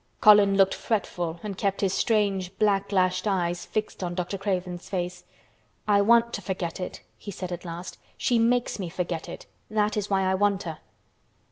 Colin looked fretful and kept his strange black lashed eyes fixed on Dr. Craven's face. "I want to forget it," he said at last. "She makes me forget it. That is why I want her."